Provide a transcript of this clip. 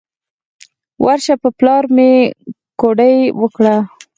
ورشه په پلار مې کوډې وکړه.